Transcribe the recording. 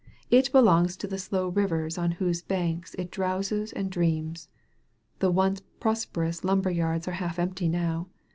It belongs to the slow rivers on whose banks it drowses and dreams. The once prosperous lumber yards are half empty now.